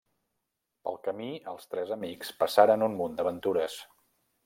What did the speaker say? Pel camí els tres amics passaran un munt d'aventures.